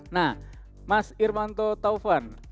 nah mas irwanto taufan